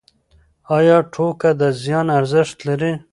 ایا ټوکه د زیان ارزښت لري؟